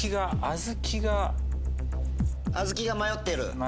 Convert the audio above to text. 小豆が迷っている？